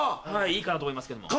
いいかなと思いますけども。